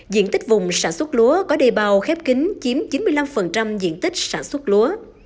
diện tích vùng sản xuất lúa có đề bào khép kín chiếm chín mươi năm diện tích sản xuất lúa